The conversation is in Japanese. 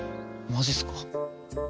マジっすか？